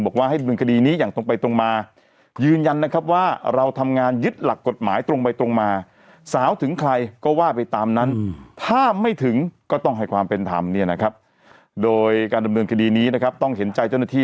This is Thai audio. บอกว่าให้ดำเนินคดีนี้อย่างตรงไปตรงมา